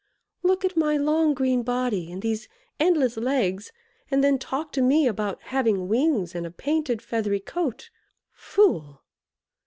Look at my long green body and these endless legs, and then talk to me about having wings and a painted feathery coat! Fool!